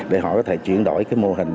để họ có thể chuyển đổi mô hình